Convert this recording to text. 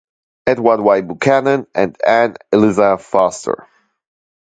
Edward Y. Buchanan and Ann Eliza Foster.